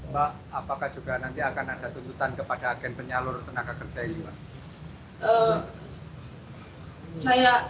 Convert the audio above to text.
pak apakah juga nanti akan ada tuntutan kepada agen penyalur tenaga kerja ini pak